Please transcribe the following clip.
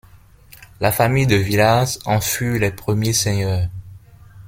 La famille de Villars en fut les premiers seigneurs.